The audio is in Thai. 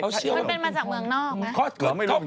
มันเป็นมาจากเมืองนอกไหม